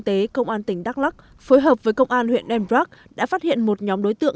tế công an tỉnh đắk lắc phối hợp với công an huyện embrag đã phát hiện một nhóm đối tượng